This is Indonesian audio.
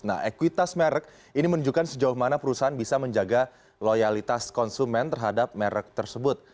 nah ekuitas merek ini menunjukkan sejauh mana perusahaan bisa menjaga loyalitas konsumen terhadap merek tersebut